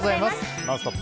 「ノンストップ！」